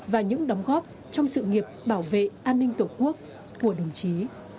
và những đóng góp trong sự nghiệp bảo vệ an ninh tổ quốc của đồng chí